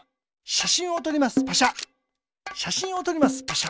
しゃしんをとりますパシャ。